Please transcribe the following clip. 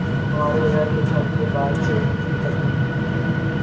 ہمارے گھر تو شادی کے بعد سے ہی کبھی نہیں بنی